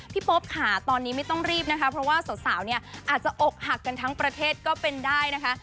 โป๊ปค่ะตอนนี้ไม่ต้องรีบนะคะเพราะว่าสาวเนี่ยอาจจะอกหักกันทั้งประเทศก็เป็นได้นะคะ